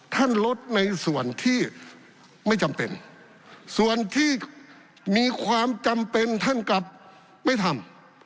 ลดในส่วนที่ไม่จำเป็นส่วนที่มีความจำเป็นท่านกลับไม่ทำ